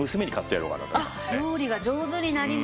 料理が上手になりますよ。